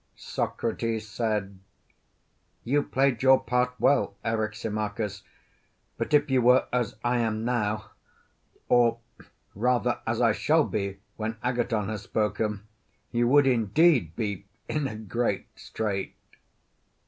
Socrates said: You played your part well, Eryximachus; but if you were as I am now, or rather as I shall be when Agathon has spoken, you would, indeed, be in a great strait.